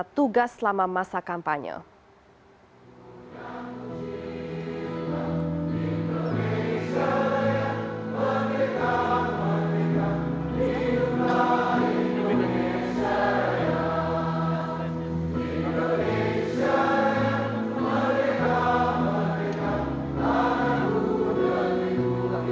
hadirin disilakan duduk kembali